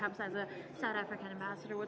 apa strategi anda sebagai pemerintah south africa